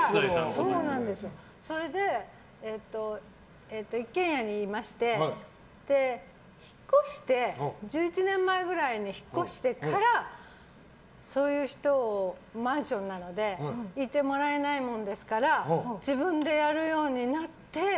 それで、一軒家にいまして１１年前ぐらいに引っ越してからそういう人を、マンションなのでいてもらえないものですから自分でやるようになって。